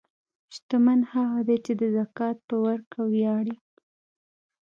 شتمن هغه دی چې د زکات په ورکړه ویاړي.